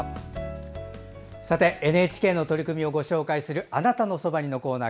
ＮＨＫの取り組みをご紹介する「あなたのそばに」のコーナー。